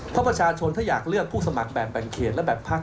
เพราะประชาชนถ้าอยากเลือกผู้สมัครแบบแบ่งเขตและแบบพัก